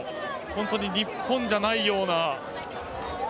本当に日本じゃないような。